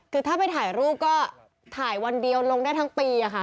คือถ้าไปถ่ายรูปก็ถ่ายวันเดียวลงได้ทั้งปีค่ะ